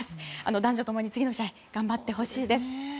男女共に、次の試合頑張ってほしいです。